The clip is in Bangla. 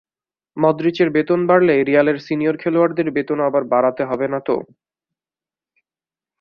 মদরিচের বেতন বাড়লে রিয়ালের সিনিয়র খেলোয়াড়দের বেতনও আবার বাড়াতে হবে না তো?